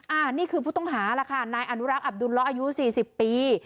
อันนี้คือผู้ต้องหาล่ะค่ะนายอนุรักษ์อับดุลล้ออายุสี่สิบปี